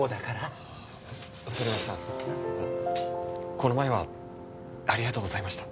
この前はありがとうございました。